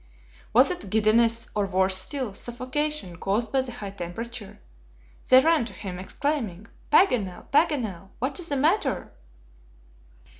Was it giddiness, or worse still, suffocation, caused by the high temperature? They ran to him, exclaiming: "Paganel! Paganel! what is the matter?"